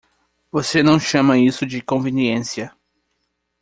Você não chama isso de conveniência!